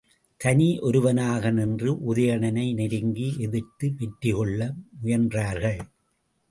தனியொருவனாக நின்ற உதயணனை நெருங்கி எதிர்த்து வெற்றி கொள்ள முயன்றார்கள்.